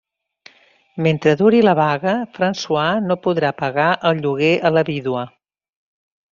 Mentre duri la vaga, François no podrà pagar el lloguer a la vídua.